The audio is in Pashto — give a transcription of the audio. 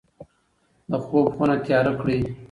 د خوب خونه تیاره کړئ.